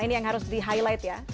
ini yang harus di highlight ya